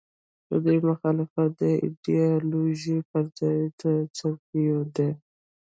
د دوی مخالفت د ایډیالوژۍ پر ځای د څوکیو دی.